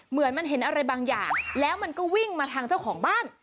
เหมือนมันเห็นอะไรบางอย่างแล้วมันก็วิ่งมาทางเจ้าของบ้าน